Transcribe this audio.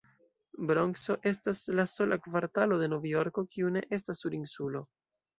Bronkso estas la sola kvartalo de Novjorko, kiu ne estas sur insulo.